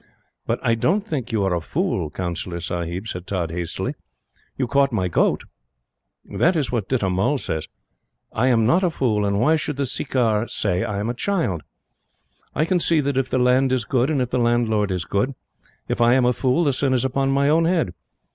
But I don't think you are a fool, Councillor Sahib," said Todds, hastily. "You caught my goat. This is what Ditta Mull says: 'I am not a fool, and why should the Sirkar say I am a child? I can see if the land is good and if the landlord is good. If I am a fool, the sin is upon my own head.